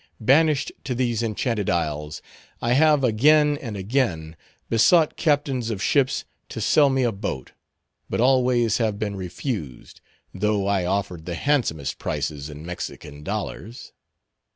"Banished to these Enchanted Isles, I have again and again besought captains of ships to sell me a boat, but always have been refused, though I offered the handsomest prices in Mexican dollars.